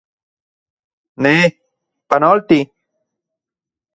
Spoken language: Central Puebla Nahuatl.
Ne, ¡panolti!